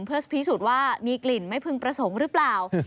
เพื่อพิสูจน์ว่ามีกลิ่นไม่พึงประสงค์หรือเปล่า